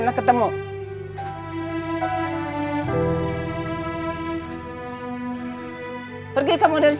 ini gara gara kamu sobri